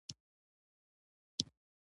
د دنیا مال لنډ دی، د اخرت مال تلپاتې.